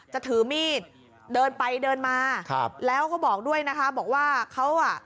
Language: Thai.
จะถือมีดเดินไปเดินมาครับแล้วก็บอกด้วยนะคะบอกว่าเขาอ่ะ